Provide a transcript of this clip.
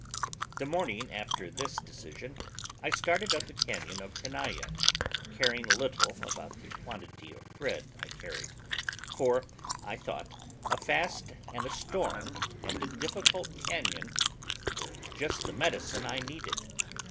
The morning after this decision, I started up the cañon of Tenaya, caring little about the quantity of bread I carried; for, I thought, a fast and a storm and a difficult cañon were just the medicine I needed.